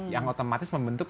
yang otomatis membentuk